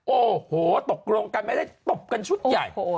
โอ้โหตกลงกันไม่ได้ตบกันชุดใหญ่